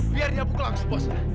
biar dia buka langsung posnya